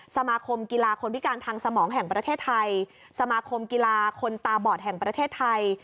สมาคมกีฬาคนพิการทางสมองแห่งประเทศไทยสมาคมกีฬาคนตาบอดแห่งประเทศไทย